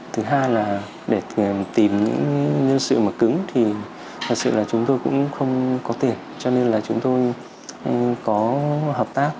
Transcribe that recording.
thứ hai là để tìm những nhân sự mà cứng thì thật sự là chúng tôi cũng không có tiền cho nên là chúng tôi có hợp tác